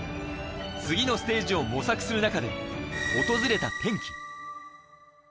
次のステージを模索する中で、訪れた転機。